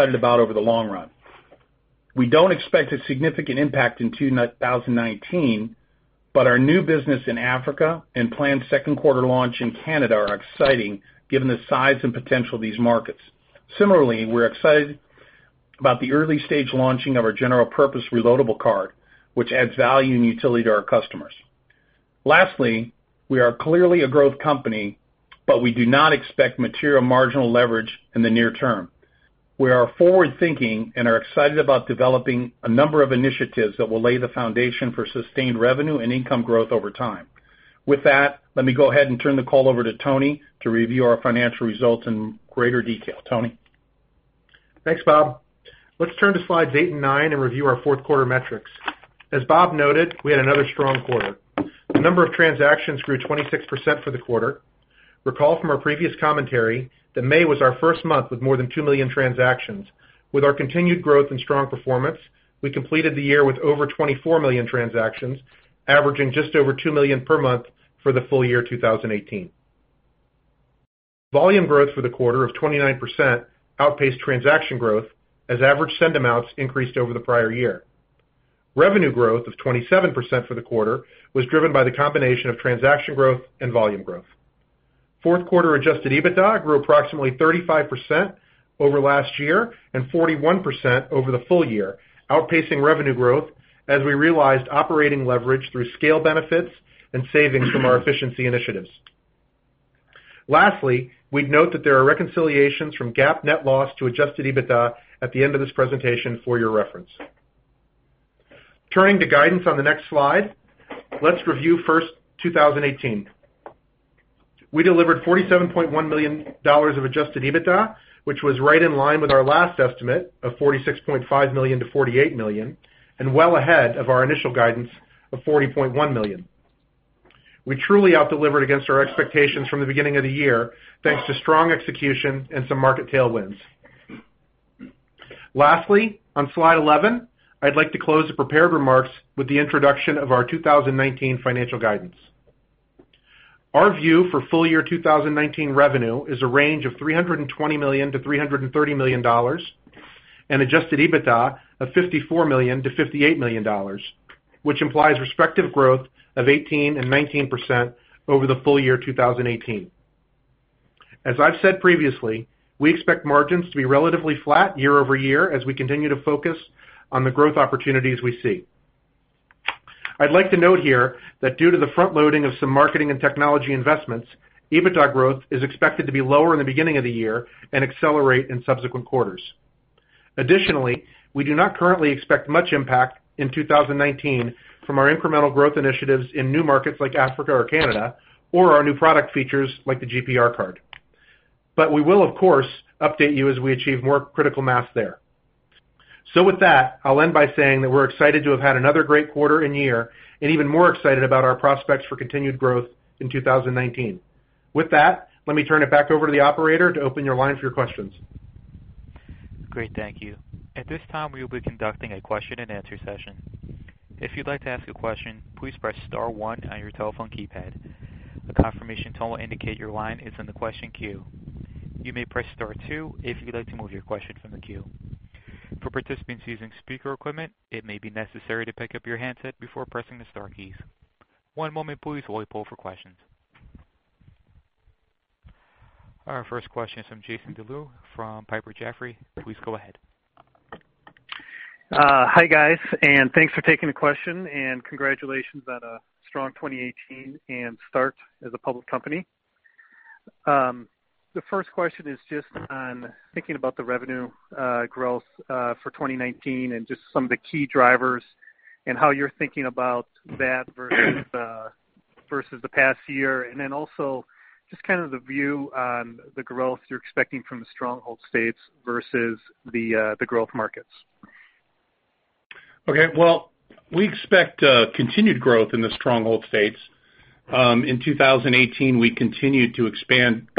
About over the long run. We don't expect a significant impact in 2019, but our new business in Africa and planned second quarter launch in Canada are exciting given the size and potential of these markets. Similarly, we're excited about the early-stage launching of our general purpose reloadable card, which adds value and utility to our customers. Lastly, we are clearly a growth company, but we do not expect material marginal leverage in the near term. We are forward-thinking and are excited about developing a number of initiatives that will lay the foundation for sustained revenue and income growth over time. With that, let me go ahead and turn the call over to Tony to review our financial results in greater detail. Tony? Thanks, Bob. Let's turn to slides eight and nine and review our fourth quarter metrics. As Bob noted, we had another strong quarter. The number of transactions grew 26% for the quarter. Recall from our previous commentary that May was our first month with more than 2 million transactions. With our continued growth and strong performance, we completed the year with over 24 million transactions, averaging just over 2 million per month for the full year 2018. Volume growth for the quarter of 29% outpaced transaction growth as average send amounts increased over the prior year. Revenue growth of 27% for the quarter was driven by the combination of transaction growth and volume growth. Fourth quarter adjusted EBITDA grew approximately 35% over last year and 41% over the full year, outpacing revenue growth as we realized operating leverage through scale benefits and savings from our efficiency initiatives. Lastly, we'd note that there are reconciliations from GAAP net loss to adjusted EBITDA at the end of this presentation for your reference. Turning to guidance on the next slide. Let's review first 2018. We delivered $47.1 million of adjusted EBITDA, which was right in line with our last estimate of $46.5 million-$48 million and well ahead of our initial guidance of $40.1 million. We truly out-delivered against our expectations from the beginning of the year, thanks to strong execution and some market tailwinds. Lastly, on slide 11, I'd like to close the prepared remarks with the introduction of our 2019 financial guidance. Our view for full year 2019 revenue is a range of $320 million-$330 million, and adjusted EBITDA of $54 million-$58 million, which implies respective growth of 18% and 19% over the full year 2018. As I've said previously, we expect margins to be relatively flat year-over-year as we continue to focus on the growth opportunities we see. I'd like to note here that due to the front-loading of some marketing and technology investments, EBITDA growth is expected to be lower in the beginning of the year and accelerate in subsequent quarters. Additionally, we do not currently expect much impact in 2019 from our incremental growth initiatives in new markets like Africa or Canada or our new product features like the GPR card. We will, of course, update you as we achieve more critical mass there. With that, I'll end by saying that we're excited to have had another great quarter and year and even more excited about our prospects for continued growth in 2019. With that, let me turn it back over to the operator to open your line for your questions. Great. Thank you. At this time, we will be conducting a question and answer session. If you'd like to ask a question, please press star one on your telephone keypad. A confirmation tone will indicate your line is in the question queue. You may press star two if you'd like to move your question from the queue. For participants using speaker equipment, it may be necessary to pick up your handset before pressing the star keys. One moment please while we poll for questions. Our first question is from Jason Deleeuw from Piper Jaffray. Please go ahead. Hi, guys, thanks for taking the question, and congratulations on a strong 2018 and start as a public company. The first question is just on thinking about the revenue growth for 2019 and just some of the key drivers and how you're thinking about that versus the past year, and then also just the view on the growth you're expecting from the stronghold states versus the growth markets. Okay. Well, we expect continued growth in the stronghold states. By the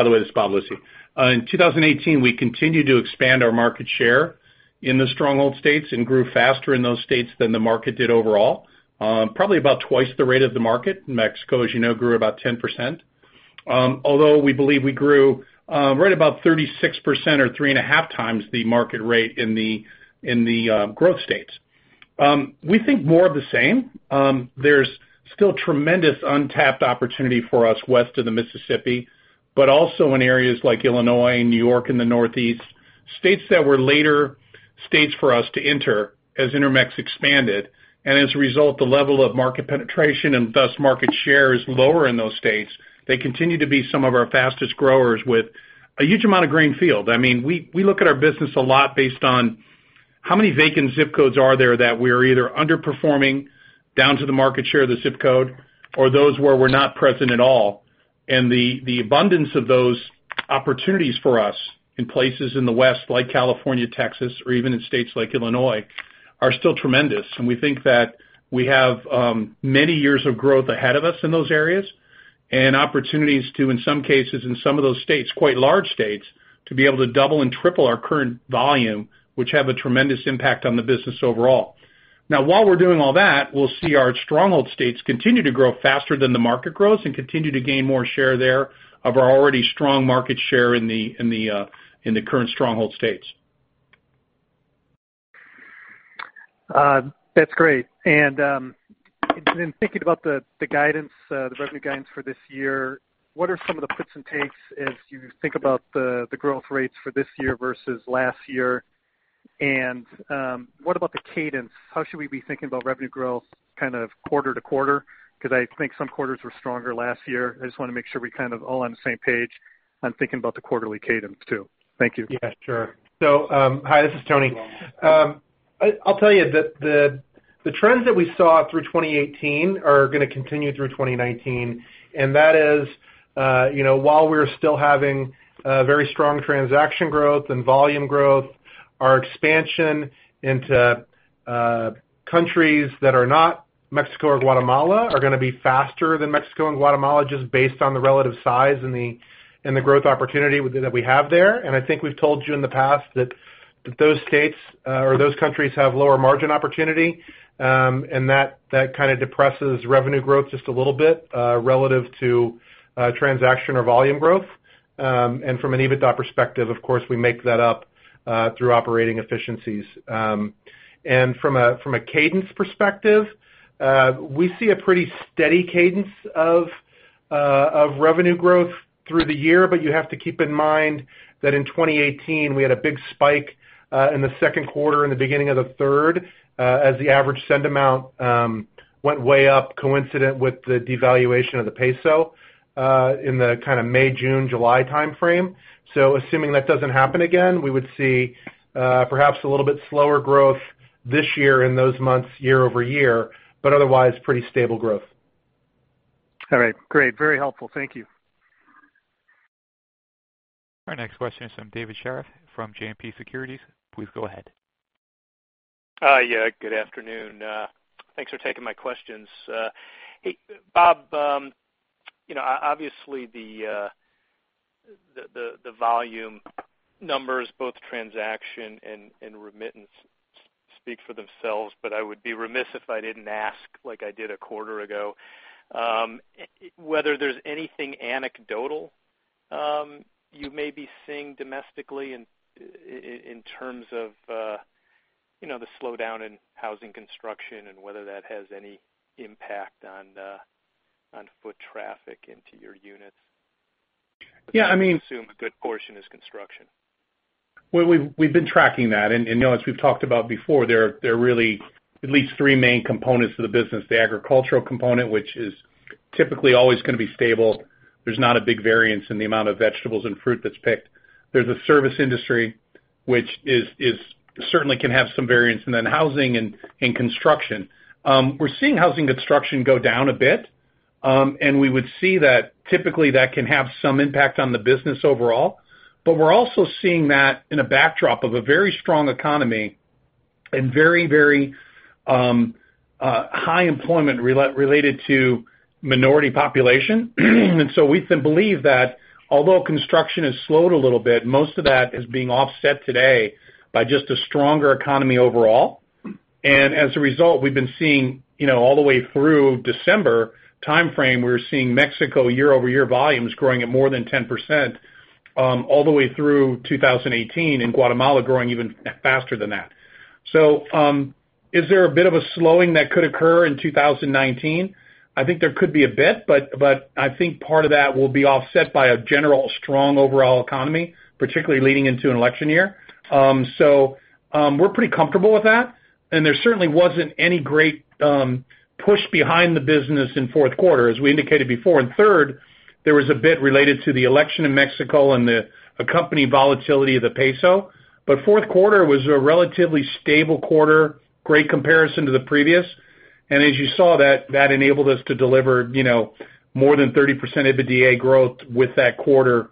way, this is Bob Lisy. In 2018, we continued to expand our market share in the stronghold states and grew faster in those states than the market did overall. Probably about twice the rate of the market. Mexico, as you know, grew about 10%. Although we believe we grew right about 36% or 3.5x the market rate in the growth states. We think more of the same. There's still tremendous untapped opportunity for us west of the Mississippi, but also in areas like Illinois and New York and the Northeast. States that were later states for us to enter as Intermex expanded, and as a result, the level of market penetration and thus market share is lower in those states. They continue to be some of our fastest growers with a huge amount of greenfield. We look at our business a lot based on how many vacant zip codes are there that we're either underperforming down to the market share of the zip code or those where we're not present at all. The abundance of those opportunities for us in places in the West, like California, Texas, or even in states like Illinois, are still tremendous. We think that we have many years of growth ahead of us in those areas and opportunities to, in some cases, in some of those states, quite large states, to be able to double and triple our current volume, which have a tremendous impact on the business overall. While we're doing all that, we'll see our stronghold states continue to grow faster than the market grows and continue to gain more share there of our already strong market share in the current stronghold states. That's great. In thinking about the revenue guidance for this year, what are some of the puts and takes as you think about the growth rates for this year versus last year? What about the cadence? How should we be thinking about revenue growth kind of quarter-over-quarter? Because I think some quarters were stronger last year. I just want to make sure we're kind of all on the same page on thinking about the quarterly cadence, too. Thank you. Yeah, sure. Hi, this is Tony. I'll tell you that the trends that we saw through 2018 are going to continue through 2019, and that is while we're still having very strong transaction growth and volume growth, our expansion into countries that are not Mexico or Guatemala are going to be faster than Mexico and Guatemala, just based on the relative size and the growth opportunity that we have there. I think we've told you in the past that those states or those countries have lower margin opportunity, and that kind of depresses revenue growth just a little bit relative to transaction or volume growth. From an EBITDA perspective, of course, we make that up through operating efficiencies. From a cadence perspective, we see a pretty steady cadence of revenue growth through the year. You have to keep in mind that in 2018, we had a big spike in the second quarter and the beginning of the third as the average send amount went way up, coincident with the devaluation of the peso in the kind of May, June, July timeframe. Assuming that doesn't happen again, we would see perhaps a little bit slower growth this year in those months year-over-year, but otherwise pretty stable growth. All right, great. Very helpful. Thank you. Our next question is from David Scharf from JMP Securities. Please go ahead. Good afternoon. Thanks for taking my questions. Hey, Bob, obviously the volume numbers, both transaction and remittance speak for themselves, but I would be remiss if I didn't ask, like I did a quarter ago, whether there's anything anecdotal you may be seeing domestically in terms of the slowdown in housing construction and whether that has any impact on foot traffic into your units. Yeah, I mean. I assume a good portion is construction. Well, we've been tracking that. As we've talked about before, there are really at least three main components to the business. The agricultural component, which is typically always going to be stable. There's not a big variance in the amount of vegetables and fruit that's picked. There's a service industry which certainly can have some variance, and then housing and construction. We're seeing housing construction go down a bit, and we would see that typically that can have some impact on the business overall. We're also seeing that in a backdrop of a very strong economy and very high employment related to minority population. We believe that although construction has slowed a little bit, most of that is being offset today by just a stronger economy overall. As a result, we've been seeing all the way through December timeframe, we were seeing Mexico year-over-year volumes growing at more than 10% all the way through 2018, and Guatemala growing even faster than that. Is there a bit of a slowing that could occur in 2019? I think there could be a bit, but I think part of that will be offset by a general strong overall economy, particularly leading into an election year. We're pretty comfortable with that. There certainly wasn't any great push behind the business in fourth quarter, as we indicated before. In third, there was a bit related to the election in Mexico and the accompanying volatility of the peso. Fourth quarter was a relatively stable quarter, great comparison to the previous. As you saw, that enabled us to deliver more than 30% EBITDA growth with that quarter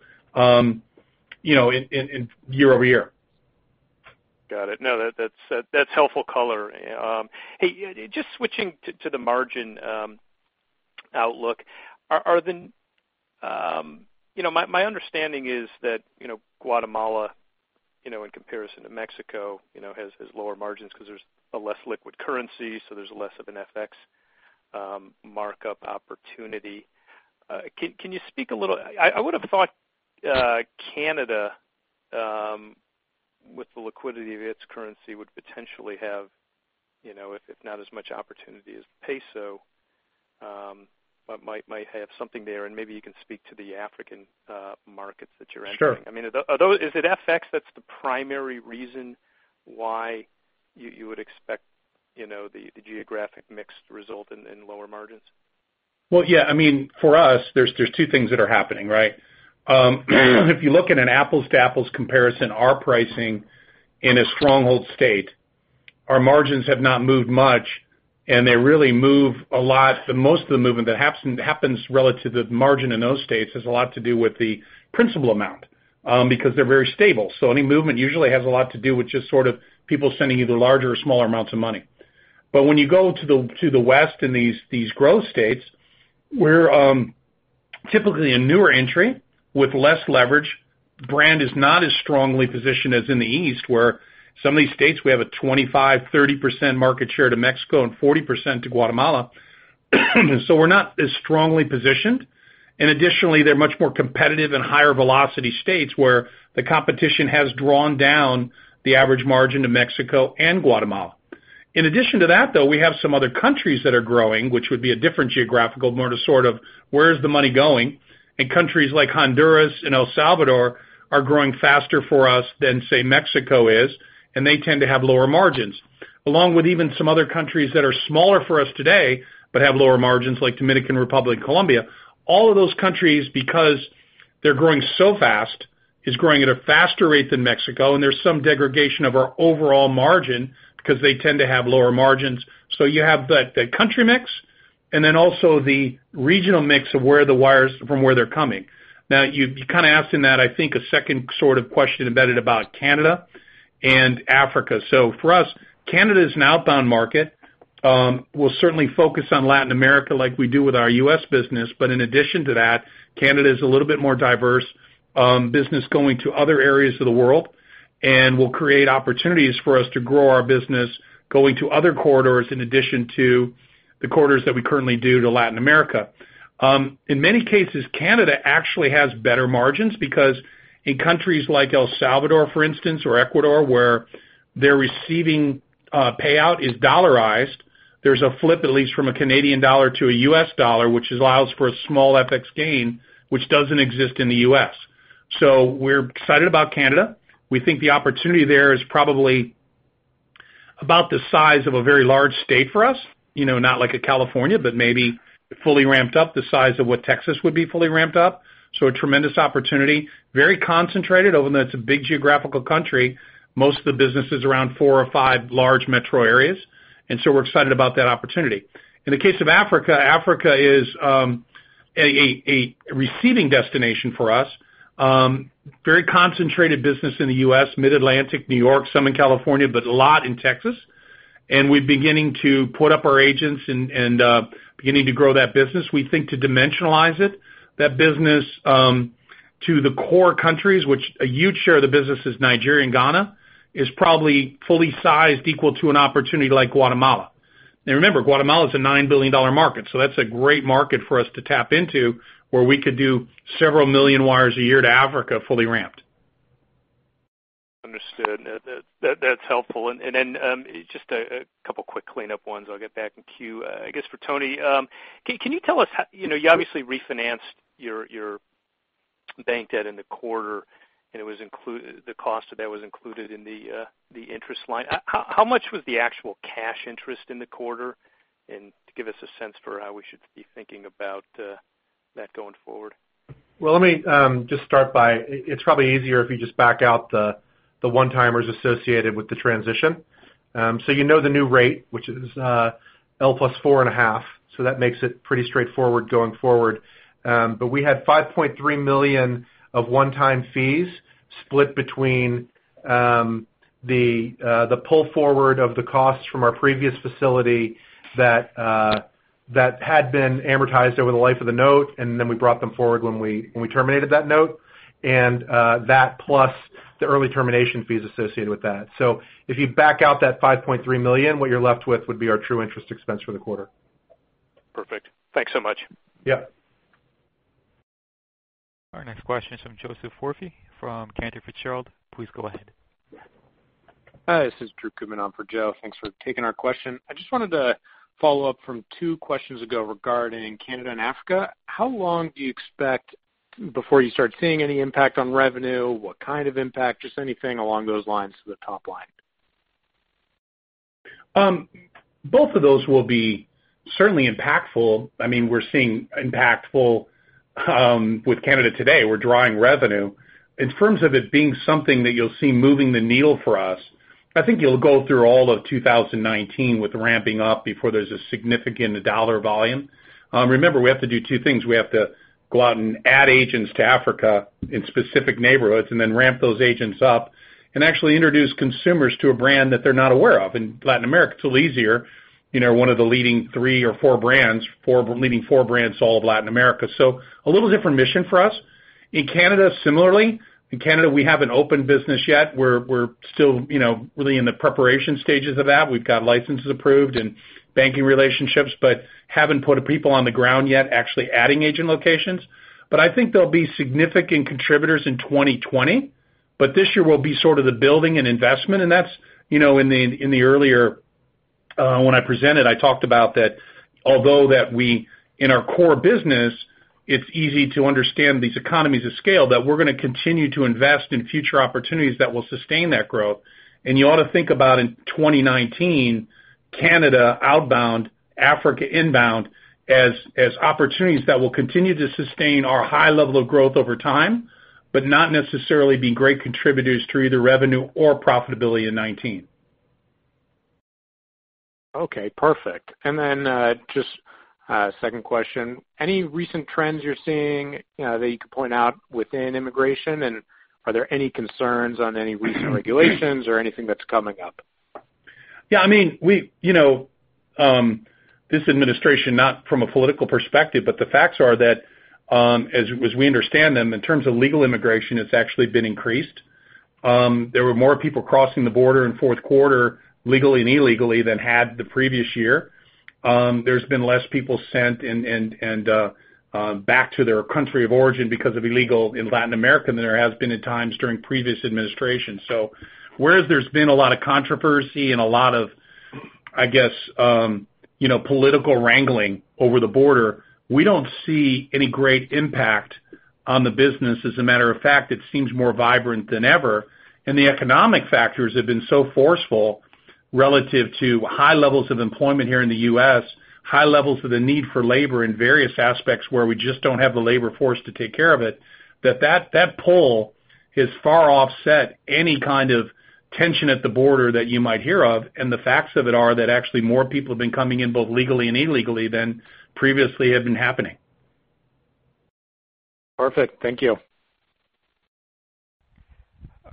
year-over-year. Got it. That's helpful color. Hey, just switching to the margin outlook. My understanding is that Guatemala, in comparison to Mexico, has lower margins because there's a less liquid currency, so there's less of an FX markup opportunity. I would've thought Canada with the liquidity of its currency would potentially have, if not as much opportunity as peso, but might have something there. Maybe you can speak to the African markets that you're entering. Sure. Is it FX that's the primary reason why you would expect the geographic mix to result in lower margins? Yeah, for us, there's two things that are happening, right? If you look at an apples to apples comparison, our pricing in a stronghold state, our margins have not moved much, and most of the movement that happens relative to margin in those states has a lot to do with the principal amount because they're very stable. Any movement usually has a lot to do with just sort of people sending either larger or smaller amounts of money. When you go to the West in these growth states, we're- Typically a newer entry with less leverage. Brand is not as strongly positioned as in the East, where some of these states we have a 25%-30% market share to Mexico and 40% to Guatemala. We're not as strongly positioned. Additionally, they're much more competitive and higher velocity states, where the competition has drawn down the average margin to Mexico and Guatemala. In addition to that, though, we have some other countries that are growing, which would be a different geographical, more to sort of where is the money going. Countries like Honduras and El Salvador are growing faster for us than, say, Mexico is, and they tend to have lower margins. Along with even some other countries that are smaller for us today, but have lower margins, like Dominican Republic and Colombia. All of those countries, because they're growing so fast, is growing at a faster rate than Mexico, and there's some degradation of our overall margin because they tend to have lower margins. You have the country mix and then also the regional mix of where the wires from where they're coming. Now, you kind of asked in that, I think, a second sort of question embedded about Canada and Africa. For us, Canada is an outbound market. We'll certainly focus on Latin America like we do with our U.S. business. In addition to that, Canada is a little bit more diverse business going to other areas of the world and will create opportunities for us to grow our business going to other corridors in addition to the corridors that we currently do to Latin America. In many cases, Canada actually has better margins because in countries like El Salvador, for instance, or Ecuador, where their receiving payout is dollarized, there's a flip at least from a Canadian dollar to a U.S. dollar, which allows for a small FX gain, which doesn't exist in the U.S. We're excited about Canada. We think the opportunity there is probably about the size of a very large state for us. Not like a California, but maybe fully ramped up the size of what Texas would be fully ramped up. A tremendous opportunity. Very concentrated, although it's a big geographical country. Most of the business is around four or five large metro areas, we're excited about that opportunity. In the case of Africa is a receiving destination for us. Very concentrated business in the U.S., mid-Atlantic, New York, some in California, but a lot in Texas. We're beginning to put up our agents and beginning to grow that business. We think to dimensionalize it, that business to the core countries, which a huge share of the business is Nigeria and Ghana, is probably fully sized equal to an opportunity like Guatemala. Now remember, Guatemala is a $9 billion market, that's a great market for us to tap into, where we could do several million wires a year to Africa, fully ramped. Understood. That's helpful. Then just a couple quick cleanup ones. I'll get back in queue. I guess for Tony, can you tell us, you obviously refinanced your bank debt in the quarter, and the cost of that was included in the interest line. How much was the actual cash interest in the quarter? To give us a sense for how we should be thinking about that going forward. Well, let me just start by, it's probably easier if you just back out the one-timers associated with the transition. You know the new rate, which is L plus 4.5%. That makes it pretty straightforward going forward. We had $5.3 million of one-time fees split between the pull forward of the costs from our previous facility that had been amortized over the life of the note, then we brought them forward when we terminated that note. That plus the early termination fees associated with that. If you back out that $5.3 million, what you're left with would be our true interest expense for the quarter. Perfect. Thanks so much. Yeah. Our next question is from Joseph Foresi from Cantor Fitzgerald. Please go ahead. Hi, this is Drew Kootman on for Joe. Thanks for taking our question. I just wanted to follow up from two questions ago regarding Canada and Africa. How long do you expect before you start seeing any impact on revenue? What kind of impact? Just anything along those lines to the top line. Both of those will be certainly impactful. We're seeing impactful with Canada today. We're drawing revenue. In terms of it being something that you'll see moving the needle for us, I think you'll go through all of 2019 with ramping up before there's a significant dollar volume. Remember, we have to do two things. We have to go out and add agents to Africa in specific neighborhoods and then ramp those agents up and actually introduce consumers to a brand that they're not aware of. In Latin America, it's a little easier. One of the leading three or four brands, leading four brands to all of Latin America. A little different mission for us. In Canada, similarly. In Canada, we haven't opened business yet. We're still really in the preparation stages of that. We've got licenses approved and banking relationships, haven't put people on the ground yet actually adding agent locations. I think they'll be significant contributors in 2020. This year will be sort of the building and investment, and that's in the earlier when I presented, I talked about that although that we, in our core business, it's easy to understand these economies of scale, that we're going to continue to invest in future opportunities that will sustain that growth. You ought to think about in 2019, Canada outbound, Africa inbound, as opportunities that will continue to sustain our high level of growth over time, but not necessarily be great contributors to either revenue or profitability in 2019. Okay, perfect. Just a second question. Any recent trends you're seeing that you could point out within immigration? Are there any concerns on any recent regulations or anything that's coming up? This administration, not from a political perspective, but the facts are that, as we understand them, in terms of legal immigration, it's actually been increased. There were more people crossing the border in fourth quarter, legally and illegally, than had the previous year. There's been less people sent back to their country of origin because of illegal in Latin America than there has been at times during previous administrations. Whereas there's been a lot of controversy and a lot of, I guess, political wrangling over the border, we don't see any great impact on the business. As a matter of fact, it seems more vibrant than ever. The economic factors have been so forceful relative to high levels of employment here in the U.S., high levels of the need for labor in various aspects where we just don't have the labor force to take care of it, that that pull has far offset any kind of tension at the border that you might hear of. The facts of it are that actually more people have been coming in both legally and illegally than previously had been happening. Perfect. Thank you.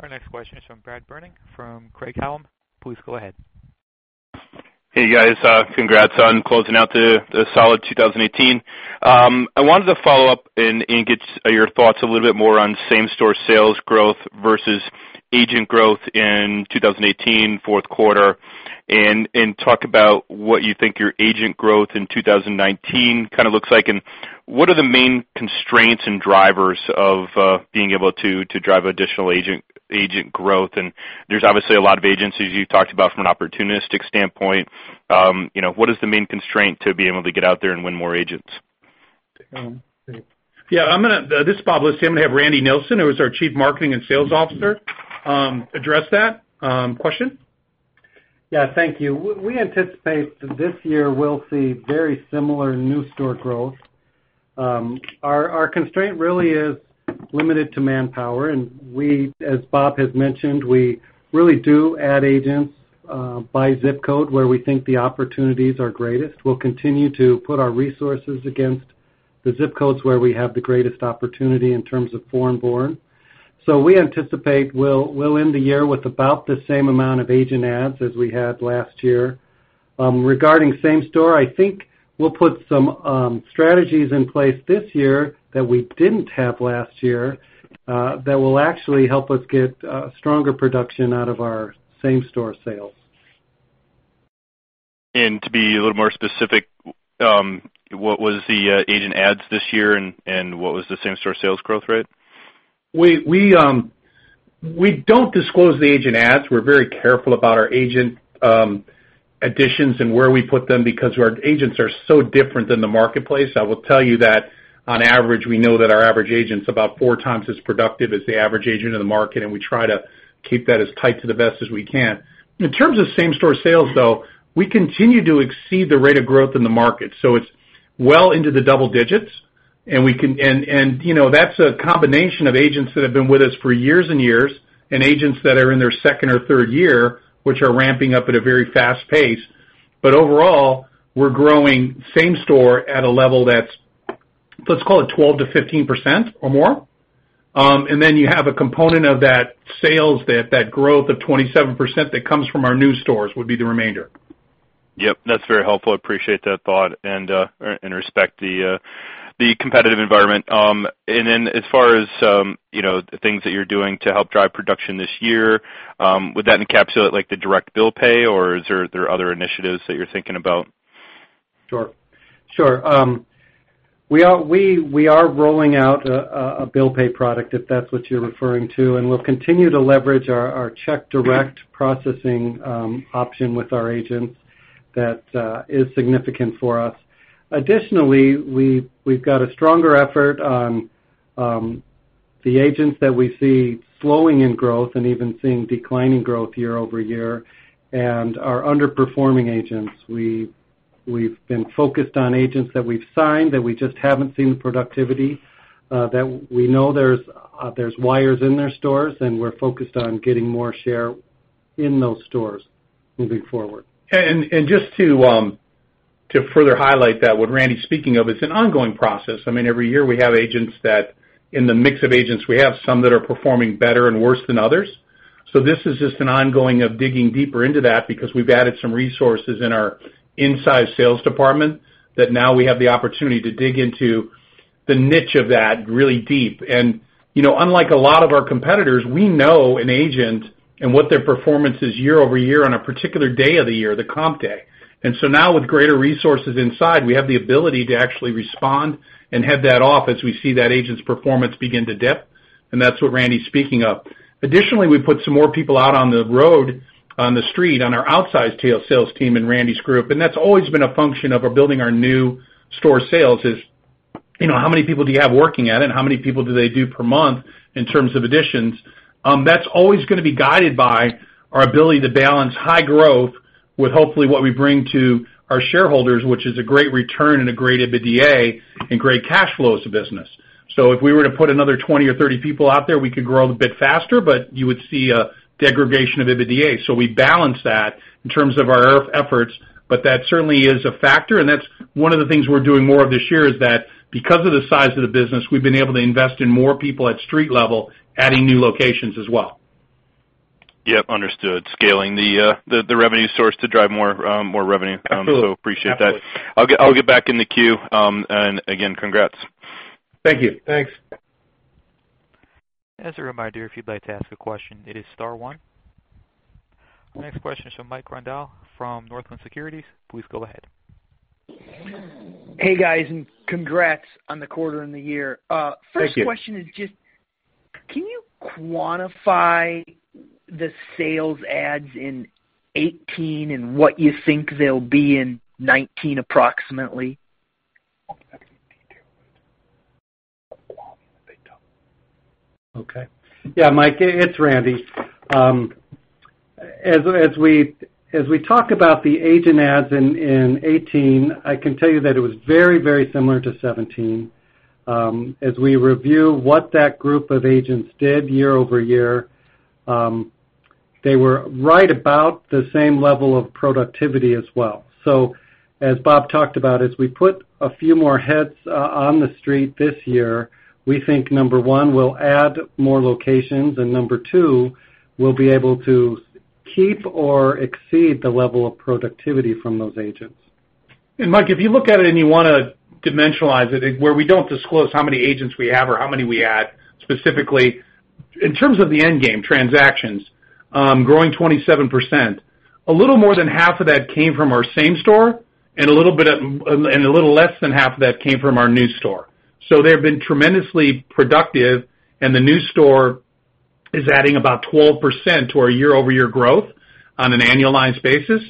Our next question is from Brad Berning from Craig-Hallum. Please go ahead. Hey, guys. Congrats on closing out the solid 2018. I wanted to follow up and get your thoughts a little bit more on same store sales growth versus agent growth in 2018, fourth quarter, and talk about what you think your agent growth in 2019 kind of looks like, and what are the main constraints and drivers of being able to drive additional agent growth. There's obviously a lot of agencies you've talked about from an opportunistic standpoint. What is the main constraint to be able to get out there and win more agents? Yeah. This is Bob Lisy. I'm going to have Randy Nilsen, who is our Chief Marketing and Sales Officer, address that question. Yeah. Thank you. We anticipate this year we'll see very similar new store growth. Our constraint really is limited to manpower, and we, as Bob has mentioned, we really do add agents by zip code where we think the opportunities are greatest. We'll continue to put our resources against the zip codes where we have the greatest opportunity in terms of foreign born. We anticipate we'll end the year with about the same amount of agent adds as we had last year. Regarding same store, I think we'll put some strategies in place this year that we didn't have last year, that will actually help us get stronger production out of our same store sales. To be a little more specific, what was the agent adds this year, and what was the same store sales growth rate? We don't disclose the agent adds. We're very careful about our agent additions and where we put them because our agents are so different than the marketplace. I will tell you that on average, we know that our average agent's about four times as productive as the average agent in the market, and we try to keep that as tight to the best as we can. In terms of same store sales, though, we continue to exceed the rate of growth in the market, so it's well into the double digits. That's a combination of agents that have been with us for years and years and agents that are in their second or third year, which are ramping up at a very fast pace. Overall, we're growing same store at a level that's, let's call it 12%-15% or more. You have a component of that sales, that growth of 27% that comes from our new stores, would be the remainder. Yep. That's very helpful. Appreciate that thought and respect the competitive environment. As far as the things that you're doing to help drive production this year, would that encapsulate like the direct bill pay, or is there other initiatives that you're thinking about? Sure. We are rolling out a bill pay product, if that's what you're referring to, and we'll continue to leverage our CheckDirect processing option with our agents. That is significant for us. Additionally, we've got a stronger effort on the agents that we see slowing in growth and even seeing declining growth year-over-year and our underperforming agents. We've been focused on agents that we've signed, that we just haven't seen the productivity, that we know there's wires in their stores, and we're focused on getting more share in those stores moving forward. Just to further highlight that, what Randy's speaking of, it's an ongoing process. Every year we have agents that, in the mix of agents we have, some that are performing better and worse than others. This is just an ongoing of digging deeper into that because we've added some resources in our inside sales department that now we have the opportunity to dig into the niche of that really deep. Unlike a lot of our competitors, we know an agent and what their performance is year-over-year on a particular day of the year, the comp day. Now with greater resources inside, we have the ability to actually respond and head that off as we see that agent's performance begin to dip, and that's what Randy's speaking of. Additionally, we put some more people out on the road, on the street, on our outside sales team in Randy's group, and that's always been a function of our building our new store sales is, how many people do you have working at it, and how many people do they do per month in terms of additions? That's always going to be guided by our ability to balance high growth with hopefully what we bring to our shareholders, which is a great return and a great EBITDA and great cash flows of business. If we were to put another 20 or 30 people out there, we could grow a bit faster, but you would see a degradation of EBITDA. We balance that in terms of our efforts, but that certainly is a factor, and that's one of the things we're doing more of this year is that because of the size of the business, we've been able to invest in more people at street level, adding new locations as well. Yep, understood. Scaling the revenue source to drive more revenue. Absolutely. Appreciate that. I'll get back in the queue. Again, congrats. Thank you. Thanks. As a reminder, if you'd like to ask a question, it is star one. Next question is from Mike Grondahl from Northland Securities. Please go ahead. Hey, guys, congrats on the quarter and the year. Thank you. First question is, can you quantify the sales adds in 2018 and what you think they'll be in 2019 approximately? Okay. Yeah, Mike, it's Randy. As we talk about the agent adds in 2018, I can tell you that it was very, very similar to 2017. As we review what that group of agents did year-over-year, they were right about the same level of productivity as well. As Bob talked about, as we put a few more heads on the street this year, we think, number one, we'll add more locations, and number two, we'll be able to keep or exceed the level of productivity from those agents. Mike, if you look at it and you want to dimensionalize it, where we don't disclose how many agents we have or how many we add specifically, in terms of the end game, transactions, growing 27%, a little more than half of that came from our same store and a little less than half of that came from our new store. They've been tremendously productive, and the new store is adding about 12% to our year-over-year growth on an annualized basis.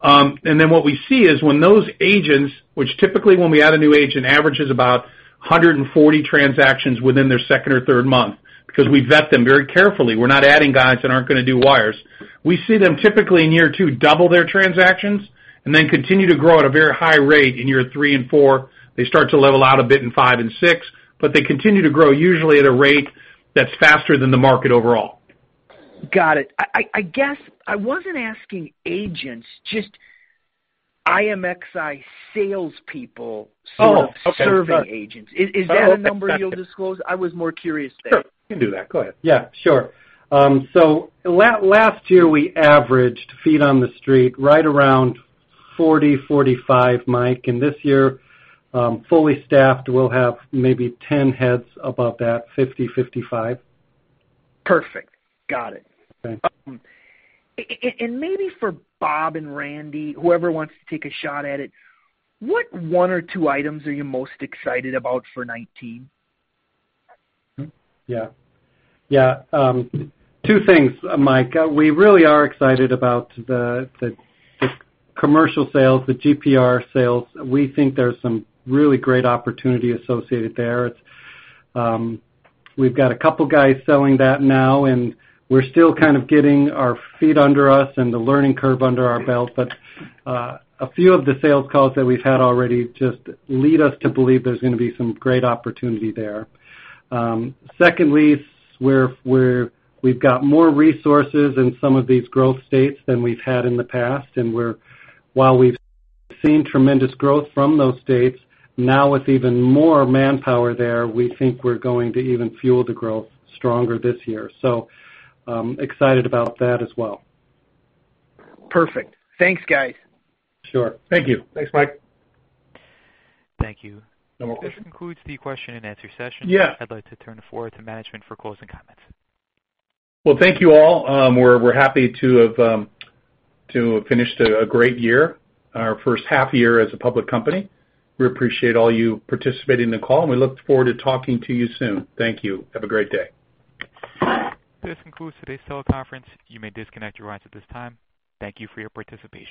What we see is when those agents, which typically when we add a new agent averages about 140 transactions within their second or third month, because we vet them very carefully. We're not adding guys that aren't going to do wires. We see them typically in year two double their transactions and then continue to grow at a very high rate in year three and four. They start to level out a bit in five and six, but they continue to grow, usually at a rate that's faster than the market overall. Got it. I guess I wasn't asking agents, just IMXI salespeople. Oh, okay. Sort of serving agents. Is that a number you'll disclose? I was more curious there. Sure. We can do that. Go ahead. Yeah, sure. Last year, we averaged feet on the street right around 40, 45, Mike. This year, fully staffed, we'll have maybe 10 heads above that, 50, 55. Perfect. Got it. Okay. Maybe for Bob and Randy, whoever wants to take a shot at it, what one or two items are you most excited about for 2019? Yeah. Two things, Mike. We really are excited about the commercial sales, the GPR sales. We think there's some really great opportunity associated there. We've got a couple guys selling that now, and we're still kind of getting our feet under us and the learning curve under our belt. A few of the sales calls that we've had already just lead us to believe there's going to be some great opportunity there. Secondly, we've got more resources in some of these growth states than we've had in the past, while we've seen tremendous growth from those states, now with even more manpower there, we think we're going to even fuel the growth stronger this year. Excited about that as well. Perfect. Thanks, guys. Sure. Thank you. Thanks, Mike. Thank you. No more questions. This concludes the question and answer session. Yeah. I'd like to turn the floor to management for closing comments. Well, thank you all. We're happy to have finished a great year, our first half year as a public company. We appreciate all you participating in the call. We look forward to talking to you soon. Thank you. Have a great day. This concludes today's teleconference. You may disconnect your lines at this time. Thank you for your participation.